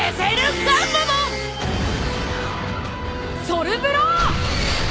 ソルブロー！